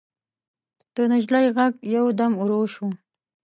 د نجلۍ غږ يودم ورو شو.